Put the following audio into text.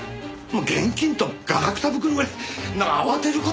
現金とガラクタ袋ぐらい慌てる事はそんな。